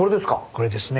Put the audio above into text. これですね。